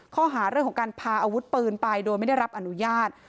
ข้อหาเรื่องของการพาอาวุธปืนไปโดยไม่ได้รับอนุญาต